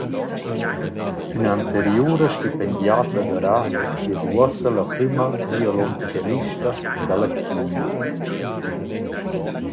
Ün’anteriura stipendiata da Rahe es uossa la prüma violoncellista da la China.